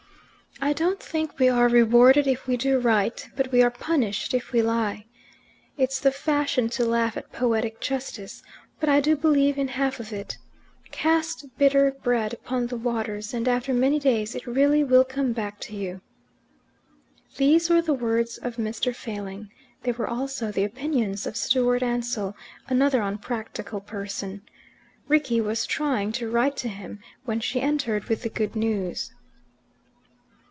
"I don't think we are rewarded if we do right, but we are punished if we lie. It's the fashion to laugh at poetic justice, but I do believe in half of it. Cast bitter bread upon the waters, and after many days it really will come back to you." These were the words of Mr. Failing. They were also the opinions of Stewart Ansell, another unpractical person. Rickie was trying to write to him when she entered with the good news.